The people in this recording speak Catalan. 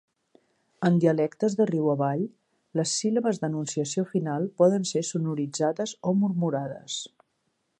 En dialectes de riu avall, les síl·labes d'enunciació final poden ser sonoritzades o murmurades.